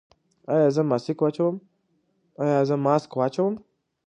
ایا زه ماسک واچوم؟